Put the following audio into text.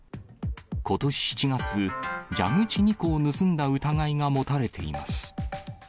ことし７月、蛇口２個を盗んだ疑いが持たれています。